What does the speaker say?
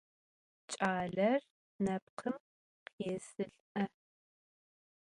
Ç'aler nepkhım khêsılh'e.